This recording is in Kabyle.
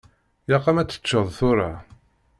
Ilaq-am ad teččeḍ tura.